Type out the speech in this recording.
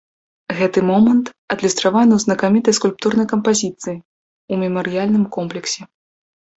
Гэты момант адлюстраваны ў знакамітай скульптурнай кампазіцыі ў мемарыяльным комплексе.